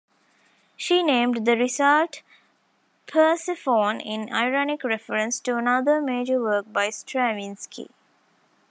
She named the result "Persephone" in ironic reference to another major work by Stravinsky.